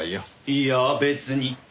いや別に。